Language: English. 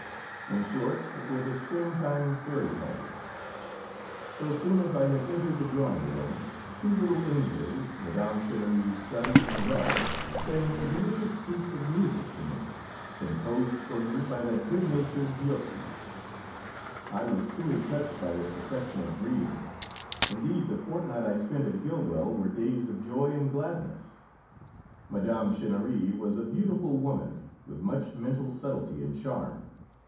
In short, it was a springtime fairy pageant. So soon as I had entered the drawing room, two little angels, Mme. Chinnery's son and daughter, sang a delicious piece of music to me, composed for me by that good natured Viotti. I was truly touched by this affectionate greeting; indeed, the fortnight I spent at Gillwell were days of joy and gladness. Mme. Chinnery was a beautiful woman, with much mental subtlety and charm.